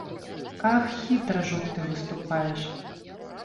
Ах, хітра, жук, ты выступаеш.